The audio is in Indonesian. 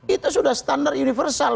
itu sudah standar universal